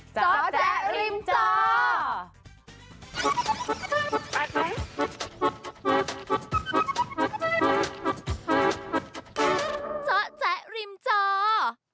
เจ้าแจริมเจ้า